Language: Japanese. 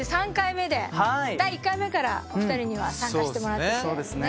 第１回目からお２人には参加してもらってて。